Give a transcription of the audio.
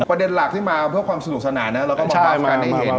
ประเด็นหลักที่มาเพื่อความสนุกสนานนะแล้วก็มาบาปการณ์ในเห็น